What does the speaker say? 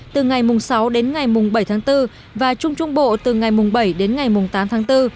từ ngày mùng sáu đến ngày mùng bảy tháng bốn và trung trung bộ từ ngày mùng bảy đến ngày mùng tám tháng bốn